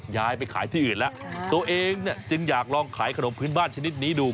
ยายไปขายที่อื่นแล้วตัวเองเนี่ยจึงอยากลองขายขนมพื้นบ้านชนิดนี้ดู